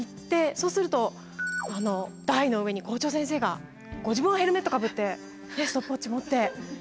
そうすると台の上に校長先生がご自分はヘルメットかぶってストップウォッチ持ってポチッ。